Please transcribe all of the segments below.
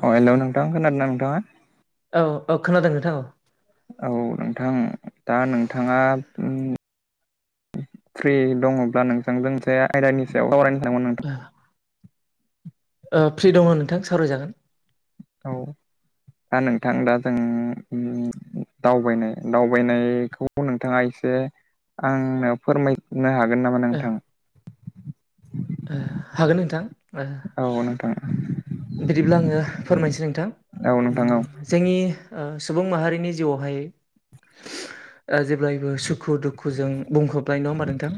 अ hello नोंथां खोनादोंना नोंथाङा औ औ खोनादों नोंथां औ औ नोंथां। दा नोंथाङा ओं फ्रि दङब्ला नोंथांजों एसे आयदानि सायाव सावरायनो थांगोमोन नोंथां। फ्रि दङ नोंथां सावरायजागोन। औ आं नोंथां दा जोंओ दावबायनाय दावबायनायखौ नोंथाङा एसे आंनो फोरमाय होननो हागोन नामा ओ नोंथां? हागोन नोंथां। ओ औ नोंथां। बिदिब्ला आङो फोरमायनोसै नोंथां। औ नोंथां औ जोंनि ओ सुबुं माहारिनि जिउआवहाय जेब्लायबो सुखु दुखुजों बुंफबनाय नङा होमबा नोंथां?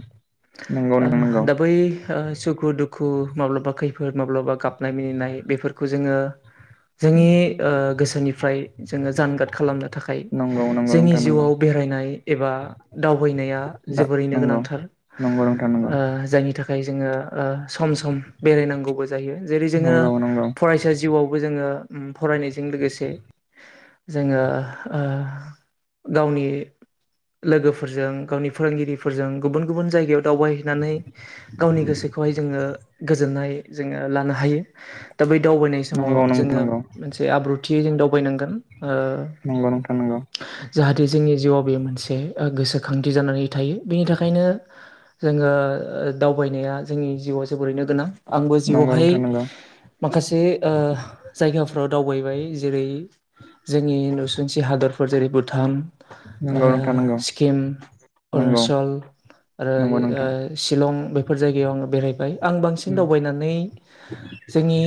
नंगौ ओ नोंथां नंगौ दा बै ओ सुखु दुखु, माब्लाबा खैफोद, माब्लाबा गाबनाय मिनिनाय,। खौ जोंङो जोंनि ओ गोसोनिफ्राय जोंङो जानगार खालामनो थाखाय नंगौ नंगौ जोंनि नोंथां नंगौ जिउआव बेराय नाय एबा दावबायनाया दा जोबोरैनो नंगौ गोनांथार। नंगौ नोंथां नंगौ ओ जायनि थाखाय थाखाय जोंङो सम सम बेरायनांगौबो जायो। जेरै जोंङो नंगौ नंगौ फरायसा जिउआवबो जोंङो फरायनाय जों लोगोसे जोंङो ओ गावनि लोगोफोरजों, गावनि फोरोंगिरिफोरजों गुबुन गुबुन जायगायाव दावबायहैनानै गावनि गोसोखौहाय जोंङो गोजोननाय जोंङो लानो हायो। दा बै दावबायनाय समाव नंगौ जोंङो मोनसे आब्रुथियै जों दावबायनांगोन। ओ नोंथां नंगौ जाहाथे जोंनि जिउआव बेयो मोनसे गोसोखांथि जानानै थायो। बिनि थाखायनो जोंङो दावबायनाया जोंनि जिउआव जोबोरैनो गोनां। आंबो नंगौ जिउआवहाय नोंथां नंगौ माखासे ओ जायगाफ्राव दावबायबाय जेरै जोंनि नसुंसि हादरफोर। जेरै -भुटान, ओ नंगौ नोंथां नंगौ नोंथां नंगौ सिक्किम, अरुनाचल, आरो ओ नंगौ नोंथां ओ शिलं बेफोर जायगायाव आङो बेरायबाय आं बांसिन नंगौ दावबायनानै बिनि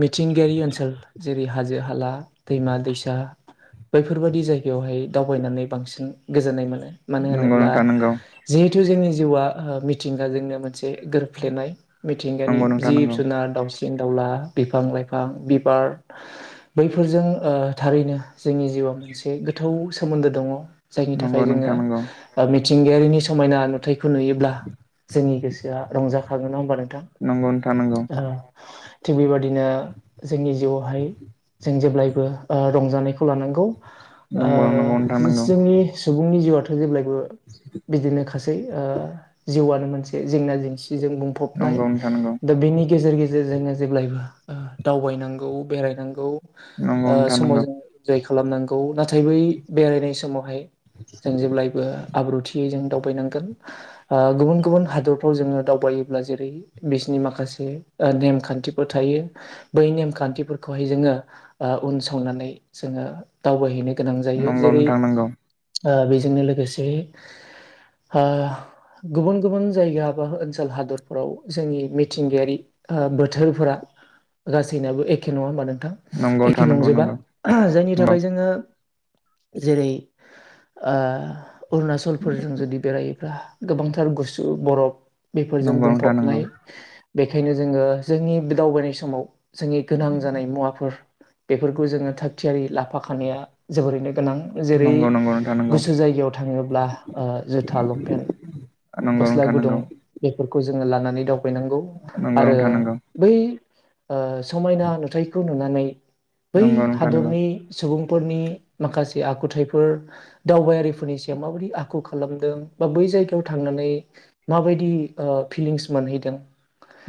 मिथिंगायारि ओनसोल। जेरै- हाजो हाला, दैमा दैसा, बैफोरबायादि जायगायावहाय दावबायनानै बांसिन गोजोननाय मोनो। मानो नंगौ होनोब्ला नोंथां नंगौ जिहेथु जोंनि जिउआ मिथिंगाजोंनो मोनसे गोरोबफ्लेनाय। मिथिंगानि नंगौ नोंथां जिब नंगौ जुनार, दावसि दाउला, बिफां लाइफां, बिबार, बैफोरजों ओ थारैनो जोंनि जिउ ब मोनसे गोथौ सोमोन्दो दङ। जायनि नंगौ थाखाय जोंङो नोंथां नंगौ ओ मिथिंगायारिनि समायना नुथाय खौ नुयोब्ला जोंनि गोसोआ रंजाखागोन नङा होमबा नोंथां? नंगौ थिग बेबायादिनो जोंनि जिउआवहाय जों जेब्लायबो ओ रंजानायखौ खौ लानांगौ नोंथां ओ नंगौ जोंनि सुबुंनि जिउ'आथ जेब्लायबो बिदिनो खासै ओ जिउआनो मोनसे जेंना जेंसि जों बुंफबनाय। नंगौ नंगौ दा बेनि गेजेर गेजेरजों जेब्लायबो ओ दावबायनांगौ बेरायनांगौ ओ नोंथां समाव नंगौ जोङ इन्जय खालामनांगौ। नाथाय नाथाय बै बेरायनाय समावहाय जों जेब्लायबो आब्रुथियै जों दावबायनांगोन ओ गुबुन गुबुन हादरफ्राव जोंङो दावबायोब्ला जेरै -बिसिनि नि माखासे नेमखान्थिफोर थायो। बै नेमखान्थिफोरखौहाय जोंङो ओ उन संनानै जों ओ दावबायहैनो गोनां जायो। नंगौ नोंथां नंगौ जेरै-ओ बेजोंनो लोगोसे ओ गुबुन गुबुन जायगा बा ओनसोल हादरफोराव जोंनि मिथिंगायारि ओ बोथोरफोरा गासैनियाबो एखे नङा होनबा नों नोंथां नंगौ एखे नोंथां नंगौ नंजोबा। नंगौ ओहो जायनि थाखाय जोंङो जेरै- ओ अरुणाचलफोरजों जुदि बेरायोब्ला गोबांथार गुसु बरफ बेफोरजों नोंथां नंगौ बुंफबनाय। बेखायनो जोंङो जोंनि दावबायनाय समाव जोंनि गोनां जानाय मुवाफोर बेफोरखौ जोंङो थागथियारि ला फाखानाया जोबोरैनो गोनां जेरै नंगौ नोंथां नंगौ गुसो जायगायाव थाङोब्ला जुथाल नंगौ नंगौ गस्ला नोंथां गुदुं नंगौ जोङो लानानै दावबायनांगौ नंगौ नंगौ आरो नोंथां नंगौ बै समायना नुथायखौ नुनानै बै नंगौ नोंथां नंगौ नोंथां नंगौ हादरनि सुबुं फोरनि माखासे आखुथायाइफोर दावबायारिफोरनि सायाव माबायदि आखु खालामदों बा बै जायगायाव थांनानै माबायदि फिलिंस मोनहैदों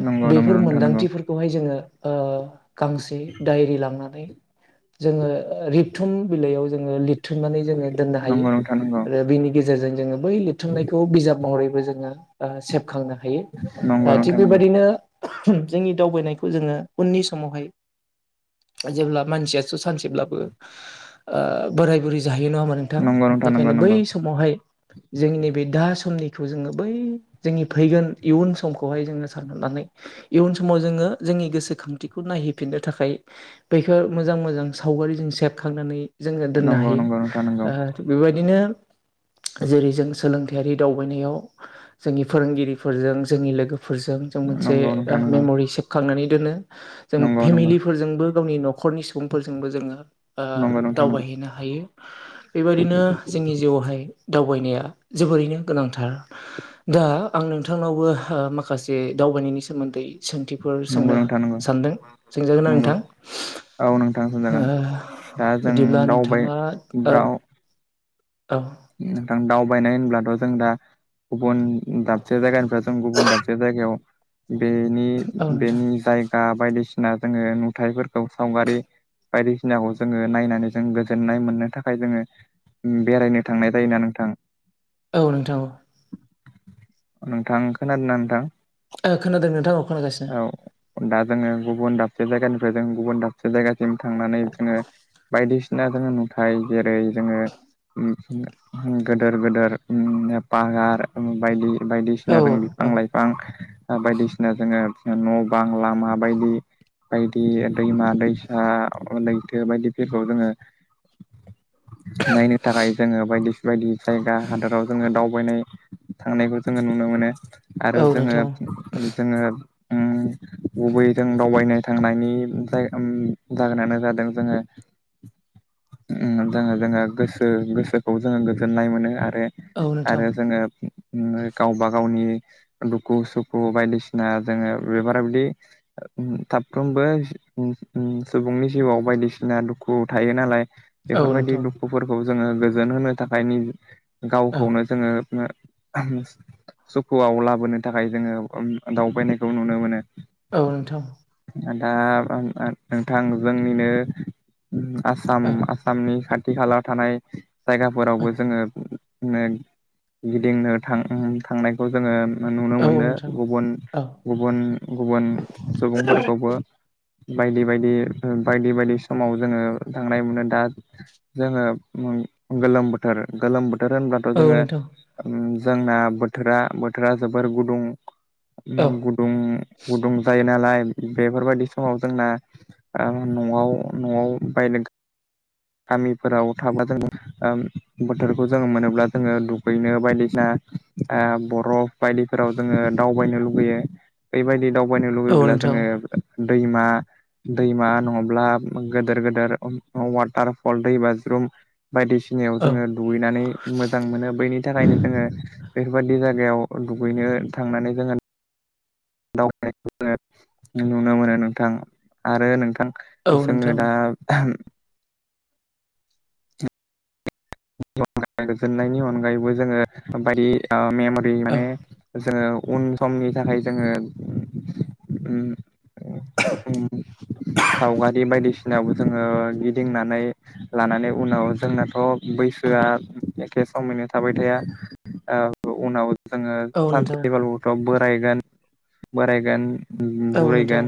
नंगौ बेफोर नोंथां नंगौ मोनदांथिफोरखौहाय जोङो गांसे दायरि लांनानै जोङो रिबथुम बिलाइयाव जो लिरथुमनानै जोङो दोननो हायो नंगौ नंगौ नोंथां आरो नंगौ बेनि गेजेरजों जोङो बै लिरथुमनायखौ बिजाब महरैबो जों जोङो सेबखांनो हायो थिग बेबायदिनो जोंनि दावबायनायखौ जोङो उननि समावहाय जेब्ला मानसियासो सानसेब्लाबो बोराय बुरै ज जाहायो नङा होमबा नोंथां नंगौ नोंथां नंगौ बेखायनो बै समावहाय जोंनि नैबे दा समनिखौ जोङो बै जोंनि फैगोन इयुन समखौहाय जोङो सानहरनानै इयुन समाव जोङो जोंनि गोसोखांथिखौ नायहैफिननो थाखाय बेैफोर मोजां मोजां साव सावगारिजों सेबखांनानै जोङो दोननो नंगौ नोंथां नंगौ हायो बेबायदिनो जेरै जों सोलोंथायारि दावबायनायाव जोंनि फोरोंगिरिफोरजों जोंनि लोगोफोरजों जों मोनसे नंगौ नोंथां नंगौ मेमरि सेबखांनानै दोनो जों नंगौ नंगौ फेमिलिफोरजोंबो गावनि नख'र न'खरनि सुबुंफोरजोंबो जोङो नंगौ नोंथां नंगौ नोंथां नंगौ नोंथां नंगौ दावबायहैनो हायो बेबायादिनो जोंनि जिउआवहाय दावबायनाया जोबोरैनो गोनांथार दा आं नोंथांनावबो माखासे दावबायनायनि सोमोन्दै सोंथिफोर नंगौ सोंनो नोंथां नंगौ सानदों सोंजागोना नंगौ नोंथां औ नोंथांसिन ओ जागोन दा जों बिदिब्ला दावबाय नोंथाङा ओ दाउ औ दावबायनाय होनब्लाथ' जों दा गुबुन दाबसे जायगानिफ्राय जों गुबुन दाबसे जायगायाव बेनि औ नोंथां बेनि जायगा बायदिसिना जोङो नुथायफोरखौ सावगारि बायदिसिनाखौ जोङो नायनानै जों गोजोननाय मोननो थाखाय जोङो बेरायनो थांनाय जायोना नोंथां औ नोंथां औ नोंथां खोनादोंना नोंथां खोनादों नोंथां खोनागासिनो औ दा जोङो गुबुन दाबसे जायगानिफ्राय जों गुबुन दाबसे जायगा सिम थांनानै जोङो बायदिसिना जोङो नुथाय जेरै जोङो गोदोर गोेदेर ने फाहार बायदि औ बायदिसिना जों बिफां औ लाइफां बायदिसिना जोङो न' बां लामाबायदि बायदि दैमा दैसा लैथो बायदिफोरखौ जोङो नायनो थाखाय जोङो बायदि बायदि जायगा हादराव जोङो दावबायनाय थांनायखौ जोङो नुनो मोनो औ आरो जोङो नोंथां जोङो गुबै जों दावबायनाय थांनायनि ज जाहोनानो जादों जोङो जोङो जोङो गोसो गोसोखौ जोङो गोजोननाय मोनो आरो औ नोंथां आरो जोङो गावबा गावनि दुखु सुखु बायदिसिना जोङो बेफोरार बिदि साफ्रोमबो सुबुंनि जिउआव बायदिसिना ना दुखु थायो नालाय औ बेफोरबायदि नोंथां दुखुफोरखौ जोङो गोजोन होनो थाखाय औ गावखौनो जोङो सुखुआव लाबोनो थाखाय जोङो दावबायनायखौ नुनो मोनो औ नोंथां दा नोंथां जोंनिनो आसाम आसामनि खाथि खाथि खाला थानाय जायगाफोरावबो जोङो [inaudible] गिदिंनो थां थांनायखौ जोङो नुनो औ मोनो नोंथां गुबुन औ गुबुन गुबुन सुबुंफोरखौबो बायदि बायदि बायदि बायदि समाव जोङो थांनाय मोनो दा जोङो गोलोम बोथोर गोलोम बोथोर बोथोर होनब्लाथ' औ जोङो नोंथां जोंना बोथोरा बोथोरा जोबोर गुदुं औ गुदुं गुदुं जायो नालाय बेफोरबायदि समाव जोंना न'आव न'आव बाय गामिफोराव थाब्ला जों बोथोरखौ जोङो मोनोब्ला जोङो दुगैनो बायदिसिना ओ बर' बायदिफोराव जोङो दावबायनो लुुबैयो ओयबायदि दावबायनो औ लुुबैब्ला नोंथां जोङो दै दैमा दैमा नङाब्ला गेदेर गेदेर वाटारफल दै बाज्रुम बायदिसिनायाव जोङो औ दुगैनानै मोजां मोनो बैनि थाखायनो जोङो बैफोरबायदि जायगायाव दुगैनो थांनानै जोङो दावबायनायखौ नुनो मोनो नोंथां आरो नोंथां औ जोङो नोंथां दा गोजोननायनि अनगायैबो जोङो बायदि मेमरि औ माने जोङो उन समनि थाखाय जोङो सावगारि बायदिसिना जोङो गिदिंनानै लानानै उनाव जोंनाथ' बै [inaudible] औ एखे समयनो थाबाय ओ थाया उनाव जोङो औ नोंथां सानसेब्लाबोथ' बोरायगोन बोरायगोन औ बुरै नोंथां गोन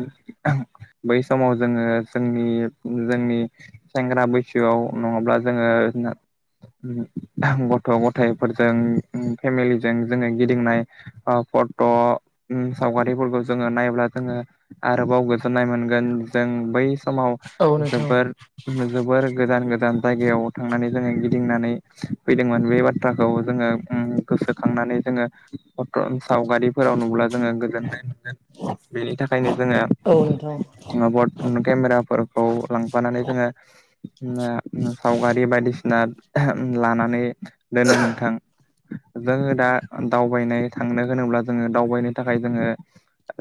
बै समाव जोङो जोंनि जोंनि सेंग्रा बैसोआव नङाब्ला जोङो [inaudible] गथ' गथाइफोरजों फेमिलिजों जोङो गिदिंनाय फट' सावगारिफोरखौ जोङो नायब्ला जोङो आरोबाव गोजोननाय मोनगोन जों बै समाव औ नोंथां जोबोर जोबोर गोजान गोजान जायगायाव थांनानै जोङो गिदिंनानै फैदोंमोन बे बाथ्राखौ जोङो गोसोखांनानै जोङो सावगारि फोराव नुब्ला जोङो गोजोननाय मोनगोन बेनि थाखायनो जोङो औ नोंथां केमेराफोरखौ लांफानानै जोङो सावगारि बायदिसिना लानानै दोनो नोंथां जोङो दा दावबायनाय थांनो होनोब्ला जोङो दावबायनो थाखाय जोङो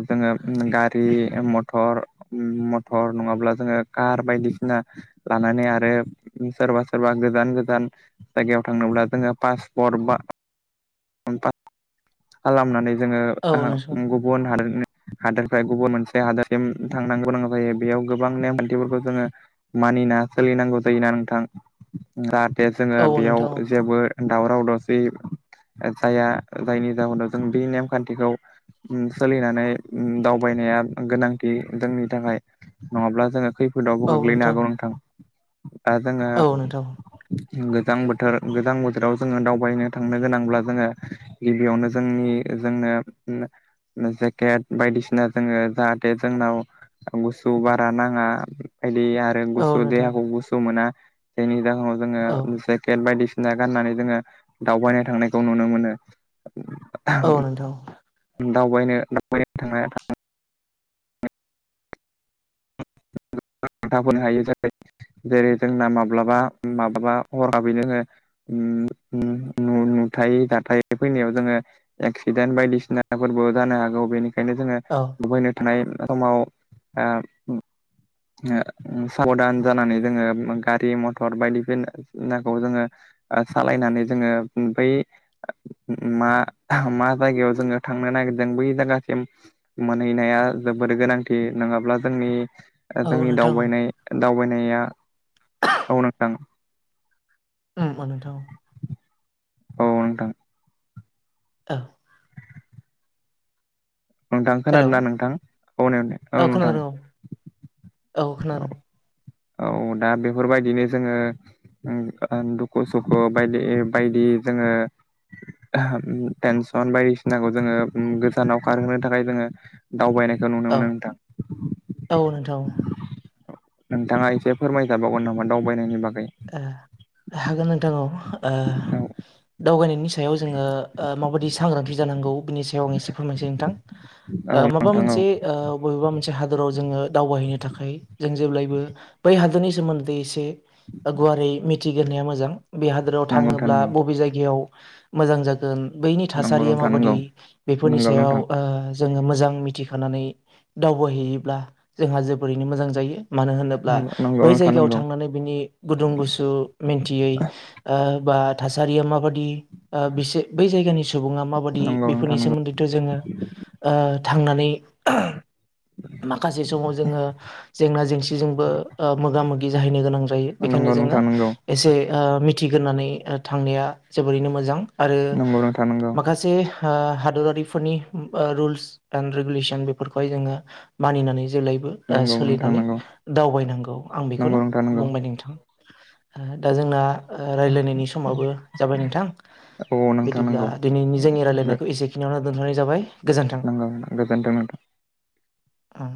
जोङो गारि मथर नङाब्ला जोङो कार बायदिसिना लानानै आरो सोरबा सोरबा गोजान गोजान गोजान जायगायाव थांनोब्ला जोङो पासपर्ट बा खालामनानै औ जोङो नोंथां गुबुन हादोरनि हादोरनिफ्राय गुबुन मोनसे हादोरसिम थांनांगौ गोनां जायो बेयाव गोबां नेमखान्थिफोरखौ जोङो मानो मानिना सोलिनांगौ जायोना नोंथां दे जोङो औ बेयाव नोंथां जेबो दावराव दावसि जाया जायनि जाहोनाव जों बे नेमखान्थिखौ सोलिनानै दावबायनाया गोनांथि जोंनि थाखाय नङाब्ला जों खैफोद खोफोदआवबो गोग्लैनो हागौ नोंथां दा जोङो औ नोंथां गोजां बोथोर गोजां बोथोराव जोङो दावबायनो थांनो गोनांब्ला जोङो गिबियावनो जोंनि जोंनो जेकेट बायदिसिना जोङो जाहाथे जोंनाव गुसु बारा नाङा दे आरो औ गु नोंथां देहाखौ गुसु मोना जायनि जाहोनाव औ जो जे बायदिसिना गाननानै जोङो दावबायनाय थांनायखौ नुनो मोनो औ नोंथां दावबायनो दावबायनो थांनाय [unintelligible] हायो [unintelligible] जेरै जोंना माब्लाबा - माब्लाबा हराबै जोङो उम - उम थाय दाथाय फैनायाव जोङो एक्सिडेन्ट बायदिसिनाफोरबो जानो हागौ बेनि खायनो जोङो औ लुबैनो थानाय समाव ओ ओ साबधान जानानै जोङो गारि -मथर बायदिनानाखौ जोङो सालायनानै जोङो बै मा मा जायगायाव जोङो थांनो नागिरदों बै जायगासिम मोनहैनाया जोबोद गोनांथि नङाब्ला जोंनि औ जोंनि नोंथां दावबायनाय- दावबायनाया औ नांथां उम नोंथां औ नोंथां औ नोंथां हेलौ खोनादोंना नोंथां औ नों औ नोंथां औ खोनादों औ दा बेफोरबायदिनो जोङो दुखु - सुखु बायदि बायदि जोङो टेनसन बायदिसिनाखौ जोङो गोजानाव खारहोनो थाखाय जोङो दावबायनाय औ - औ नोंथां नोंथाङा एसे फोरमायजाबावगोन नामा दावबायनायनि बागै हागोन नोंथां औ ओ औ दावबायनायनि सायाव जोङो माबायदि सांग्रांथि जानांगौ बिनि सायाव आं एसे फोरमायसै नोंथां औ ओ माबा नोंथां औ मोनसे ओ बबेबा मोनसे हादराव जोङो दावबायहैनो थाखाय जों जेब्लायबो बै हादोरनि सोमोन्दै एसे गुवारै मिथिग्रोनाया मोजां बे हादोराव नंगौ नोंथां थाङोब्ला नंगौ बबे जायगायाव मोजां जागोन बैनि नंगौ थासारिया नोंथां माबादि नंगौ बेफोरनि नंगौ सायाव नोंथां ओ जोङो मोजां मिथिखानानै दावबायहैयोब्ला जोंहा जोबोरैनो मोजां जायो मानो होनोब्ला नंगौ बै नोंथां जायगायाव नंगौ थांनानै बिनि गुदुं- गुसु मिन्थियै ओ बा थासारिया माबादि ओ बिसो बै जायगानि सुबुं सुबुङा माबादि बेफोरनि सोमोन्दैथ' जोङो ओ थांनानै [unintelligible] माखासे समाव जोङो जेंना जेंसिजोंबो ओ मोगा - मोगि जाहैनो गोनां जायो बेखायनो नंगौ जोङो नोंथां नंगौ एसे ओ मिथिग्रानै थांनाया जोबोरैनो मोजां आरो नंगौ नोंथां नंगौ माखासे ओ हादरारिफोरनि ओ रुल्स एन रिगुलेसन बेफोरखौहाय जोङो मानिनानै जेब्लायबो नंगौ नोंथां नंगौ ओ नोंथां सोलिनानै नंगौ दावबायनांगौ आं नंगौ बेखौनो नोंथां नंगौ बुंबाय नोंथां दा जोंना रायलायनायनि समावबो जाबाय नोंथां औ नोंथां बिदिब्ला नंगौ दिनैनि जोंनि रायलायनायखौ एसेखिनियावनो दोनथ'नाय जाबाय नोगौ गोजोनथों नो औ